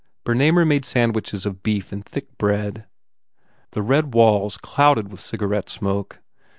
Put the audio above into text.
Bernamer made sandwiches of beef and thick bread. The red walls clouded with cigarette smoke.